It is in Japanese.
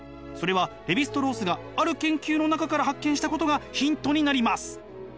それはレヴィ＝ストロースがある研究の中から発見したことがヒントになります。